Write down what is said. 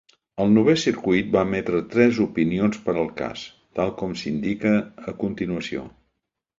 El Novè Circuit va emetre tres opinions per al cas, tal com s'indica a continuació.